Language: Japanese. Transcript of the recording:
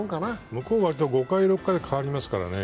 向こうは割と５回、６回で決まりますからね。